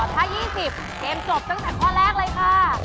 ถ้า๒๐เกมจบตั้งแต่ข้อแรกเลยค่ะ